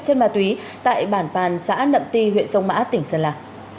chất ma túy tại bản tàn xã nậm ti huyện sông mã tỉnh sơn la